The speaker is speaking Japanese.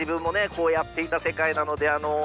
こうやっていた世界なのであの。